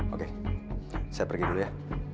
oke saya pergi dulu ya